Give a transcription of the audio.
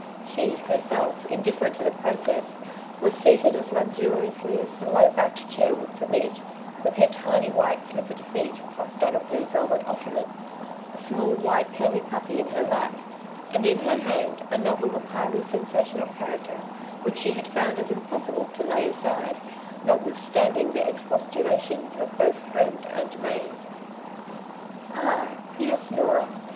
She, her self indiflferent to the process, was seated as luxu riously as the low backed chair would permit, with her tiny white slippered feet crossed on a blue velvet ottoman, a small white curly puppy in her lap, and in her hand a novel of highly sensational character, which she had found it imppssible to lay aside, not withstanding the expostulations of both friend and maid. ^'Ahl yes, Norah.